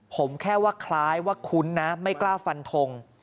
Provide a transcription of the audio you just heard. ผมแค่ว่าคล้ายว่าคุ้นนะไม่กล้าฟันทง